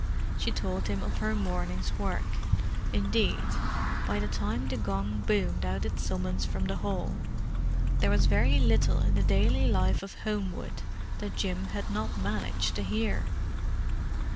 She told him of her morning's work—indeed, by the time the gong boomed out its summons from the hall, there was very little in the daily life of Homewood that Jim had not managed to hear.